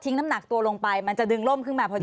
น้ำหนักตัวลงไปมันจะดึงล่มขึ้นมาพอดี